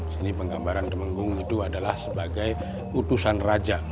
seni penggambaran temenggung itu adalah sebagai utusan raja